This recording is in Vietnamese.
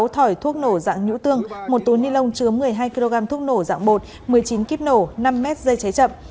sáu thỏi thuốc nổ dạng nhũ tương một túi ni lông chứa một mươi hai kg thuốc nổ dạng bột một mươi chín kíp nổ năm m dây cháy chậm